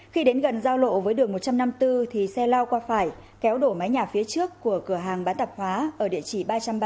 khi đến gần giao lộ với đường một trăm năm mươi bốn thì xe lao qua phải kéo đổ mái nhà phía trước của cửa hàng bán tạp hóa ở địa chỉ ba trăm ba mươi